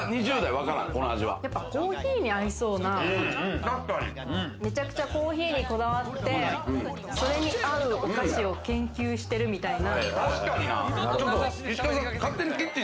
やっぱりコーヒーに合いそうな、めちゃくちゃコーヒーにこだわって、それに合うお菓子を研究してるみたいな。